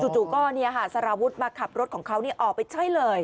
จู่ก็สารวุฒิมาขับรถของเขาออกไปใช่เลย